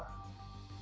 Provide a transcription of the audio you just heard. saya patang arah